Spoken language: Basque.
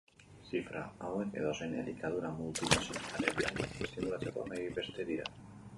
Zifra hauek edozein elikadura multinazionalaren nahiak estimulatzeko nahibeste dira.